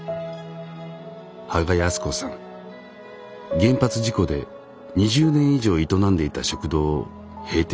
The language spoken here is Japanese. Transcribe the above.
原発事故で２０年以上営んでいた食堂を閉店しました。